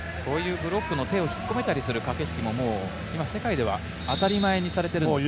ブロックの手を引っ込めたりする駆け引きも世界では当たり前にされているんですか。